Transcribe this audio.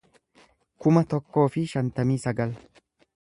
kuma tokkoo fi shantamii sagal